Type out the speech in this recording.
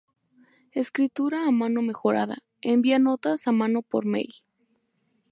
Escritura a mano mejorada: Envía notas a mano por mail.